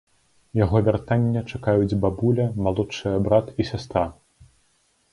Яго вяртання чакаюць бабуля, малодшыя брат і сястра.